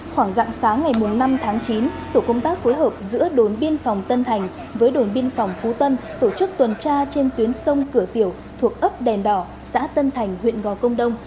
khoảng dặng sáng ngày năm tháng chín tổ công tác phối hợp giữa đồn biên phòng tân thành với đồn biên phòng phú tân tổ chức tuần tra trên tuyến sông cửa tiểu thuộc ấp đèn đỏ xã tân thành huyện gò công đông